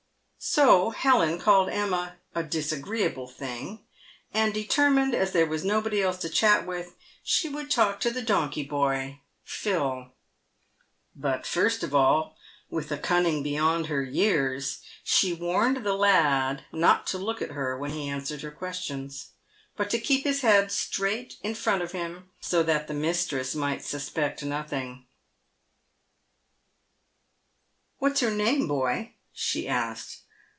So Helen called Emma " a disagreeable thing," and determined, as there was nobody else to chat with, she would talk to the donkey boy, Phil. But first of all, with a cunning far beyond her years, she warned the lad not to look at her when he answered her questions, but to keep his head straight in front of him, so that the mistress might suspect nothing. PAYED WITH GOLD. 165 " What's your name, boy ?" she asked.